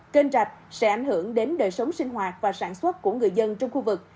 kênh rạch sẽ ảnh hưởng đến đời sống sinh hoạt và sản xuất của người dân trong khu vực